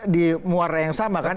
di muara yang sama kan